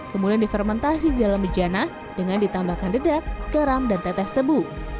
kemudian difermentasi di dalam bejana dengan ditambahkan dedak garam dan tetes tebu